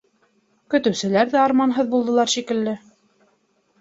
Көтөүселәр ҙә арманһыҙ булдылар, шикелле.